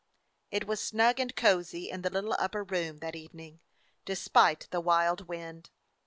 It was snug and cozy in the little upper room that evening, despite the wild wind.